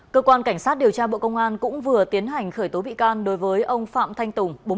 cơ quan cảnh sát điều tra bộ công an cũng vừa tiến hành khởi tố bị can đối với ông phạm thanh tùng